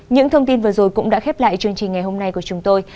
những thông tin vừa rồi cũng đã khép lại chương trình ngày hôm nay của chúng tôi